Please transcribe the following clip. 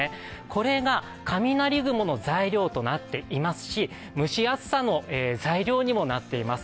これが雷雲の材料となっていますし、蒸し暑さの材料にもなっています。